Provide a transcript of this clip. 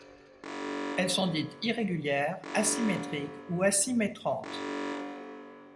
Elles sont dites irrégulières, asymétriques ou asyméthranthes.